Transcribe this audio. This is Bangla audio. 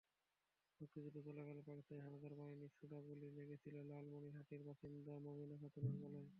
মুক্তিযুদ্ধ চলাকালে পাকিস্তানি হানাদার বাহিনীর ছোড়া গুলি লেগেছিল লালমনিরহাটের বাসিন্দা মোমেনা খাতুনের গলায়।